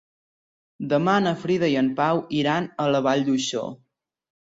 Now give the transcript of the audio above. Demà na Frida i en Pau iran a la Vall d'Uixó.